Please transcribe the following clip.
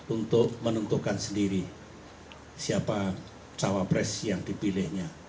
untuk menentukan sendiri siapa cawapres yang dipilihnya